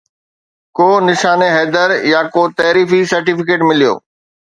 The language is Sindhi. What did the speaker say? ڪو نشان حيدر يا ڪو تعريفي سرٽيفڪيٽ مليو